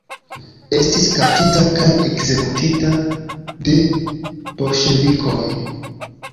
Estis kaptita kaj ekzekutita de bolŝevikoj.